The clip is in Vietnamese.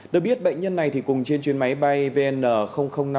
được biết bệnh nhân này thì cùng trên chuyến máy bay vn năm mươi bốn